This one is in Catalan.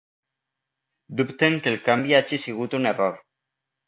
Dubten que el canvi hagi sigut un error